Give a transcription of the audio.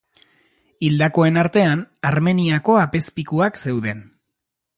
Hildakoen artean Armeniako apezpikuak zeuden.